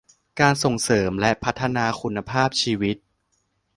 การส่งเสริมและพัฒนาคุณภาพชีวิต